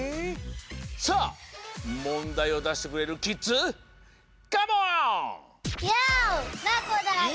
さあもんだいをだしてくれるキッズカモン！